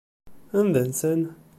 Anda nsan?